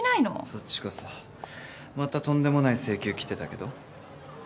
そっちこそまたとんでもない請求来てたけど？